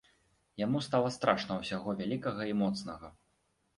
Яму стала страшна ўсяго вялікага і моцнага.